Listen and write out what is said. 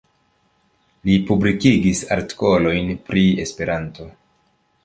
Li publikigis artikolojn pri Esperanto.